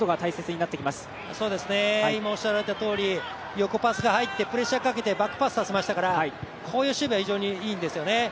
横パスが入ってプレッシャーかけてバックパスさせましたからこういう守備は非常にいいんですよね。